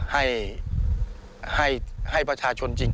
ให้ประชาชนจริง